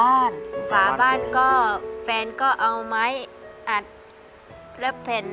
ซ่อมแซมบ้านด้วยนะครับส่วนหนึ่ง